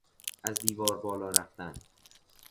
از دیوار بالا رفتن